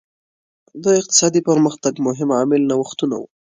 د اقتصادي پرمختګ مهم عامل نوښتونه وو.